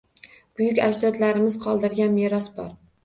Buyuk ajdodlarimiz qoldirgan meros bor